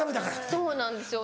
そうなんですよ。